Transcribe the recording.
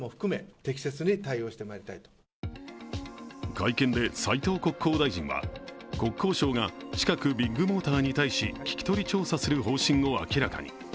会見で斉藤国交大臣は、国交省が近くビッグモーターに対し聞き取り調査する方針を明らかに。